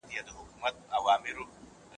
مرغۍ د خپل حق ترلاسه کولو لپاره مبارزه وکړه.